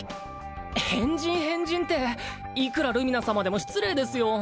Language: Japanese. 変人変人っていくらルミナ様でも失礼ですよ